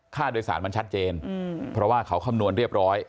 ค่าโดยสารมันชัดเจนเพราะว่าเขาคำนวณเรียบร้อย